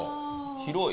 広い。